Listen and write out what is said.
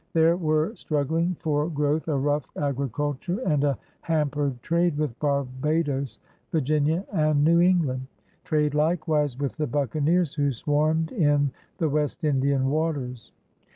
There were struggling for growth a rough agriculture and a hampered trade with Barbados, Virginia, and New England — trade likewise with the buccaneers who swarmed in the West Indian waters.